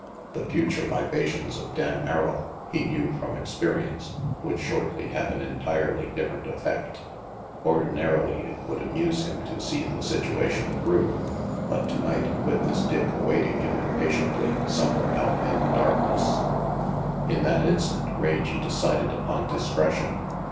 The future libations of Dan Merrill, he knew from experience, would shortly have an entirely different effect. Ordinarily it would amuse him to see the situation through; but tonight, with Miss Dick awaiting him impatiently somewhere out in the darkness In that instant Rangy decided upon discretion.